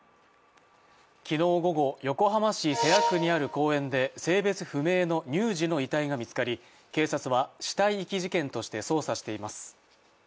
昨日午後横浜市瀬谷区にある公園で性別不明の乳児の遺体が見つかり警察は死体遺棄事件として捜査しています。